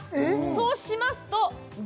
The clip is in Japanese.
そうしますとえっ？